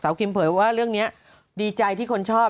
คิมเผยว่าเรื่องนี้ดีใจที่คนชอบ